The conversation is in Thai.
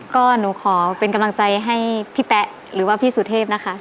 ก็หนูขอเป็นกำลังใจให้พี่แป๊ะหรือว่าพี่สุเทพนะคะ